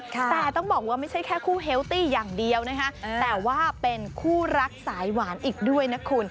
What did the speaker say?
แต่ต้องบอกว่าไม่ใช่แค่คู่เฮลตี้อย่างเดียวนะคะแต่ว่าเป็นคู่รักสายหวานอีกด้วยนะคุณ